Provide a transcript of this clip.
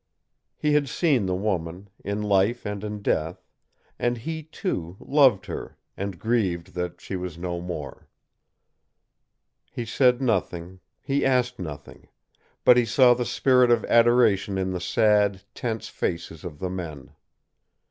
He had seen the woman, in life and in death, and he, too, loved her and grieved that she was no more. He said nothing; he asked nothing; but he saw the spirit of adoration in the sad, tense faces of the men.